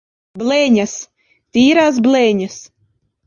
Blēņas! Tīrās blēņas!